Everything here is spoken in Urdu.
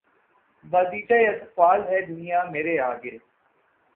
بازیچۂ اطفال ہے دنیا مرے آگے